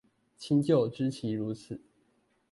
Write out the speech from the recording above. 親舊知其如此